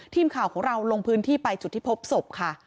ทีมข่าวของเราลงพื้นที่ไปจุดที่พบศพค่ะ